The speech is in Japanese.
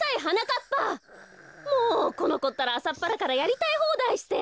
もうこのこったらあさっぱらからやりたいほうだいして。